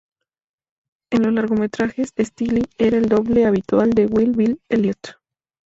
En los largometrajes, Steele era el doble habitual de Wild Bill Elliott.